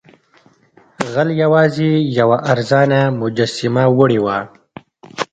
غل یوازې یوه ارزانه مجسمه وړې وه.